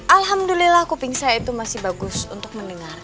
alhamdulillah kuping saya itu masih bagus untuk mendengar